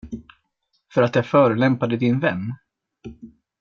För att jag förolämpade din vän?